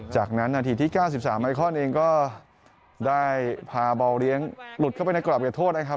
จากนั้นนาทีที่เก้าสิบสามไมคอนเองก็ได้พาเบาเลี้ยงหลุดเข้าไปในกระดับกับโทษนะครับ